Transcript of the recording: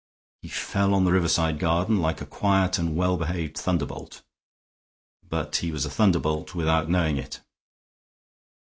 He fell on the riverside garden like a quiet and well behaved thunderbolt, but he was a thunderbolt without knowing it.